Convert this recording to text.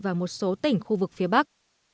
và một số tỉnh khu vực phía bắc